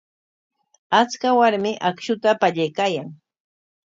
Achka warmi akshuta pallaykaayan.